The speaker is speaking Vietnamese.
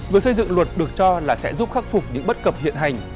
việc xây dựng luật được cho là sẽ giúp khắc phục những bất cập hiện hành